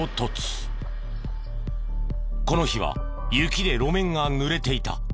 この日は雪で路面が濡れていた。